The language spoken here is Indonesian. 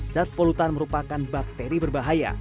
zat polutan merupakan bakteri berbahaya